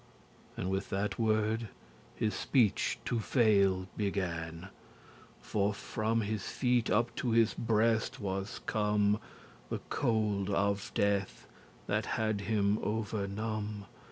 And with that word his speech to fail began. For from his feet up to his breast was come The cold of death, that had him overnome*.